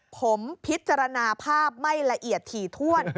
ผมพิจารณาภาพไม่ละเอียดถี่ถ้วน